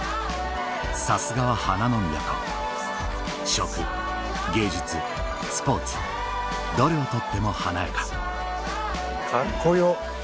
さすがは花の都食芸術スポーツどれをとっても華やかカッコ良！